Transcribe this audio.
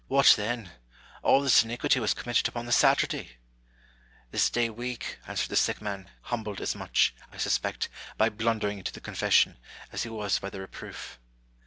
" What then ! all this iniquity was committed upon the Saturday !"*' This day week," answered the sick man, humbled as much, I suspect, by blundering into the confession, as he was by the reproof.